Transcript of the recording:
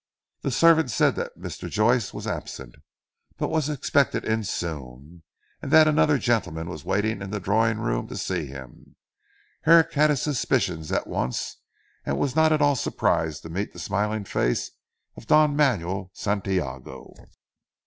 The servant said that Mr. Joyce was absent, but was expected in soon, and that another gentleman was waiting in the drawing room to see him. Herrick had his suspicions at once, and was not at all surprised to meet the smiling face of Don Manuel Santiago.